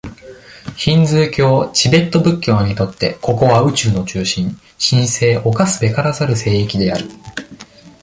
ヒンズー教、チベット仏教にとって、ここは、宇宙の中心、神聖侵すべからざる聖域である。